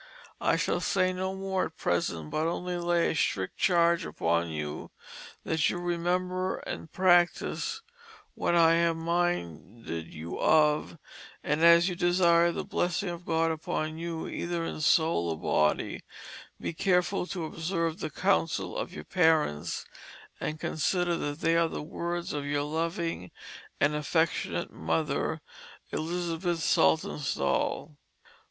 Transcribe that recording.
I shall say no more at present but only lay a strict charge upon you that you remember and practise what I have minded you of: and as you desire the blessing of God upon you either in soul or body be careful to observe the counsell of your parents and consider that they are the words of your loving and affectionate mother, "ELIZ. SALTONSTALL.